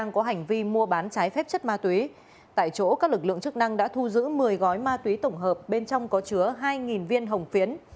các lực lượng chức năng đã thu giữ một mươi gói ma túy tổng hợp bên trong có chứa hai viên hồng phiến